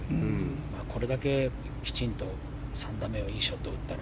これだけきちんと３打目をいいショット打ったら。